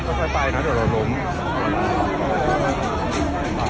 กลับไปที่นี่และจะมีทางสู้